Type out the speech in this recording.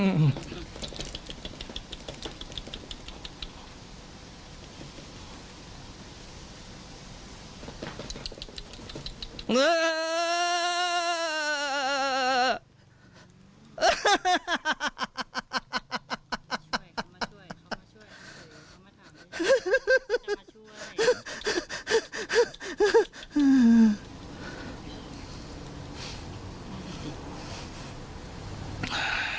เส๊ยเส้นตเทียมพี่เรามาช่วย